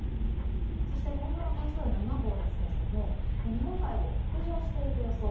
そして今後の台風７号ですが日本海を北上していく予想。